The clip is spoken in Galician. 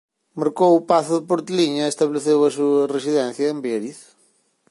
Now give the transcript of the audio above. Mercou o pazo de Porteliña e estableceu a súa residencia en Beariz.